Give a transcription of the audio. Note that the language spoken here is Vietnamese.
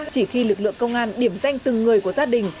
chỉ khi lực lượng công an điểm danh từng người của gia đình